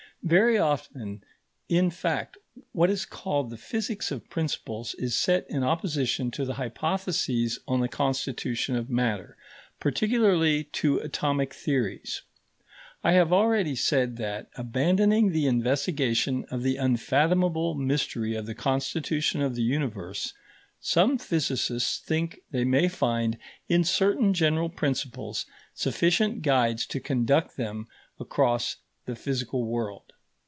Very often, in fact, what is called the physics of principles is set in opposition to the hypotheses on the constitution of matter, particularly to atomic theories. I have already said that, abandoning the investigation of the unfathomable mystery of the constitution of the Universe, some physicists think they may find, in certain general principles, sufficient guides to conduct them across the physical world.